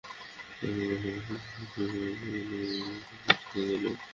তবে একপেশে ম্যাচে দুই প্রতিবেশীর লড়াইয়ের রোমাঞ্চটা অনুপস্থিতই থেকে গেল এবার।